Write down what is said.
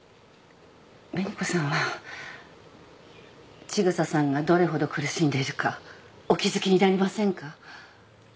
紅子さんは千草さんがどれほど苦しんでいるかお気付きになりませんか？